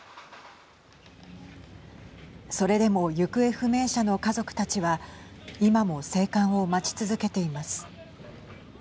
それでも行方不明者の家族たちは今も生還を待ち続けています。